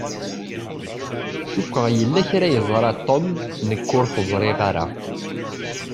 Cukkeɣ yella kra i yeẓṛa Tom nekk ur t-ẓṛiɣ ara.